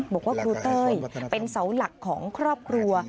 บอกว่าครูเต้ยเป็นเสาหลักของครอบครัว